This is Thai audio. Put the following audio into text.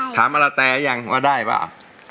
ถ้าไม่กล้าเราก็ไม่รู้ว่าเราจะทำได้ไหม